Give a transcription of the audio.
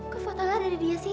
kok foto yang ada di dia sih